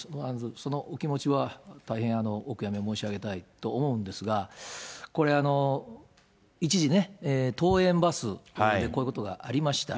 そのお気持ちは大変、お悔やみ申し上げたいと思うんですが、これ、一時ね、登園バスでこういうことがありました。